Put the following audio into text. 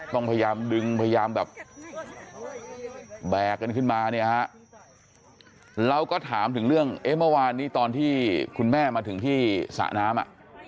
ต้องพยายามดึงพยายามแบบแบกกันขึ้นมาเนี่ยฮะเราก็ถามถึงเรื่องเอ๊ะเมื่อวานนี้ตอนที่คุณแม่มาถึงที่สระน้ำอ่ะ